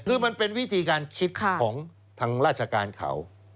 คือมันเป็นวิธีการคิดของทางราชการเขา